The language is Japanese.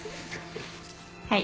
はい。